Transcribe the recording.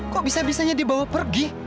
kok bisa bisanya dibawa pergi